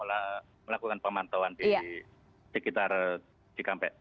dan melakukan pemantauan di sekitar di kampe